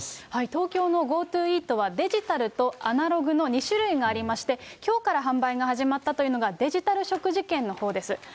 東京のＧｏＴｏイートはデジタルとアナログの２種類がありまして、きょうから販売が始まったというのがデジタル食事券のほうです。